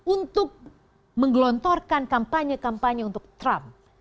untuk menggelontorkan kampanye kampanye untuk trump